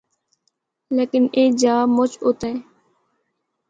لیکن اے جا مُچ اُتاں ہے۔